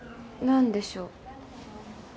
何でしょう？